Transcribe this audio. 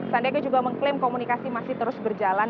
sandiaga juga mengklaim komunikasi masih terus berjalan